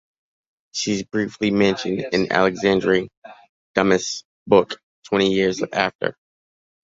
She is briefly mentioned in Alexandre Dumas' book "Twenty Years After".